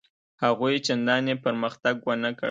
هغوی چنداني پرمختګ ونه کړ.